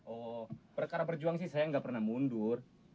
oh perkara berjuang sih saya nggak pernah mundur